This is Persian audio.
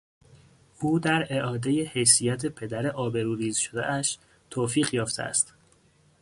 او در اعادهی حیثیت پدر آبروریز شدهاش توفیق یافته است.